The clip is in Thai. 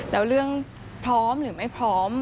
แล้วเรื่องพร้อมหรือไม่พร้อม